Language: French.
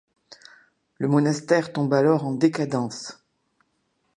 Le monastère tombe alors en décadence.